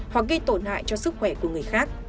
hoặc gây tổn hại cho sức khỏe của người khác